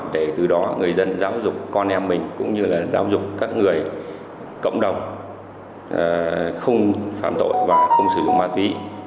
để từ đó người dân giáo dục con em mình cũng như là giáo dục các người cộng đồng không phạm tội và không sử dụng ma túy